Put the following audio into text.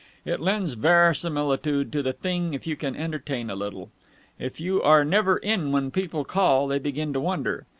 It lends verisimilitude to the thing if you can entertain a little. If you are never in when people call, they begin to wonder.